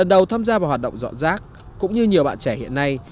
chúng ta đã tham gia vào hoạt động dọn rác cũng như nhiều bạn trẻ hiện nay